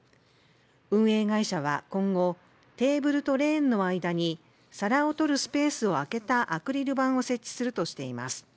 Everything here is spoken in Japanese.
運営会社は今後テーブルとレーンの間に皿を取るスペースを空けたアクリル板を設置するとしています